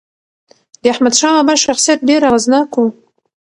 د احمدشاه بابا شخصیت ډېر اغېزناک و.